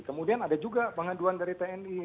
kemudian ada juga pengaduan dari tni